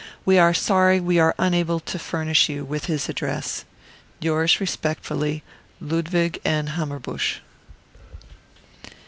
We are sorry we are unable to furnish you wish his address. "Yours Respectfully, "LUDWIG AND HAMMERBUSCH."